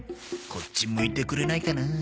こっち向いてくれないかな。